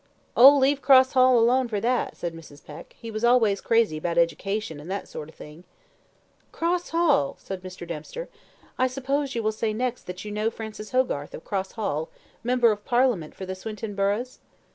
"Oh, leave Cross Hall alone for that," said Mrs. Peck. "He was always crazy about education, and that sort of thing." "Cross Hall!" said Mr. Dempster. "I suppose you will say next that you know Francis Hogarth, of Cross Hall, member of Parliament for the Swinton burghs?"